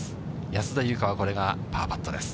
安田祐香は、これがパーパットです。